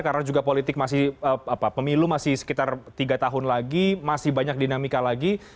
karena juga politik masih pemilu masih sekitar tiga tahun lagi masih banyak dinamika lagi